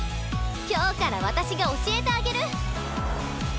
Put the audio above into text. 今日から私が教えてあげる。